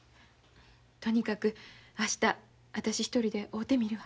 とにかく明日私一人で会うてみるわ。